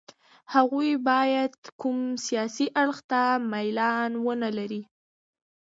هغوی باید کوم سیاسي اړخ ته میلان ونه لري.